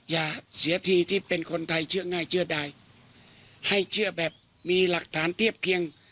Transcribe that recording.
อย่าเสียทีที่เป็นคนไทยเชื่อง่ายเชื่อได้ให้เชื่อแบบมีหลักฐานเทียบเคียง